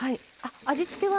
味付けは？